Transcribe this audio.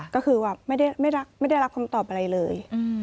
ก็คือว่าไม่ได้รับคำตอบอะไรเลย